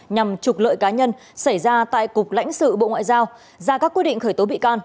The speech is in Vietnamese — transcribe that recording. nhằm trục lợi cá nhân xảy ra tại cục lãnh sự bộ ngoại giao ra các quy định khởi tố bị can